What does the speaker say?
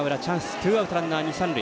ツーアウト、ランナー、二、三塁。